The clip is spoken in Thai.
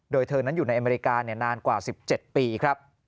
โดยเธอนั้นอยู่ในอเมริกานานกว่า๑๗ปีครับ